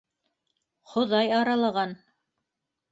Хоҙай аралаған.